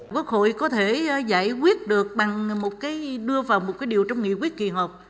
quốc hội có thể giải quyết được bằng một cái đưa vào một cái điều trong nghị quyết kỳ họp